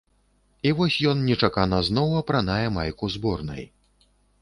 І вось ён нечакана зноў апранае майку зборнай.